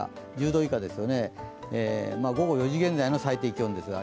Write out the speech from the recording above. １０度以下ですよね、午後４時現在の最低気温ですが。